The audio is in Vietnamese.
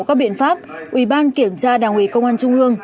các biện pháp ủy ban kiểm tra đảng ủy công an trung ương